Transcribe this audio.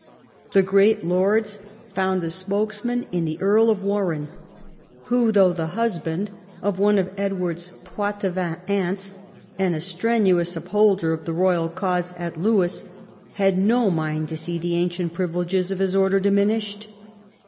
The great lords found a spokesman in the Earl of Warenne, Avho, though the husband of one of Edward's Poitevin aunts, and a strenuous upholder of the royal cause at Lewes, had no mind to see the ancient privileges of his order diminished.